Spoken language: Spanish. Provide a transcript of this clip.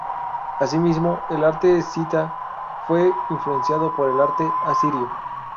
Asimismo, el arte escita fue influenciado por el arte asirio.